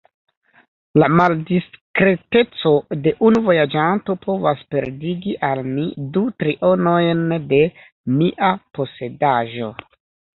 La maldiskreteco de unu vojaĝanto povas perdigi al mi du trionojn de mia posedaĵo.